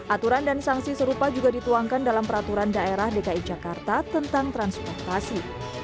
aturan dan sanksi serupa juga dituangkan dalam peraturan daerah dki jakarta tentang transportasi